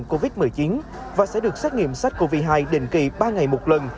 covid một mươi chín và sẽ được xét nghiệm sách covid hai đền kỳ ba ngày một lần